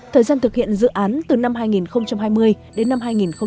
thời gian thực hiện dự án từ năm hai nghìn hai mươi đến năm hai nghìn hai mươi